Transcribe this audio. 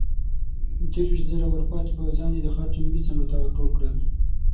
درويشت زره ورپاتې پوځيان يې د ښار جنوبي څنډو ته ورټول کړل.